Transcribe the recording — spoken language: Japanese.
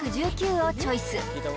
１９をチョイス